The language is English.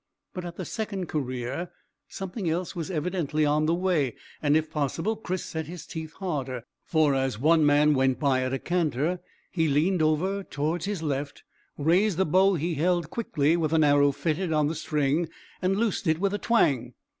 But at the second career something else was evidently on the way, and if possible Chris set his teeth harder, for as one man went by at a canter he leaned over towards his left, raised the bow he held quickly with an arrow fitted on the string, and loosed it with a twang!